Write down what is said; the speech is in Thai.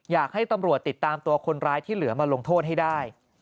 อยากให้ตำรวจติดตามตัวคนร้ายที่เหลือมาลงโทษให้ได้